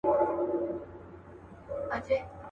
توري پښې توري مشوکي بد مخونه.